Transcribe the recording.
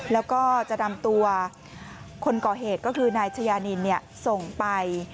แล้วก็จะนำตัวคนก่อเหตุก็คือนายชายานินส่งไป